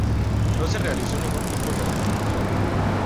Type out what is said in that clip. No se realizó ningún tipo de recomendación.